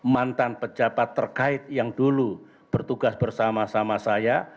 mantan pejabat terkait yang dulu bertugas bersama sama saya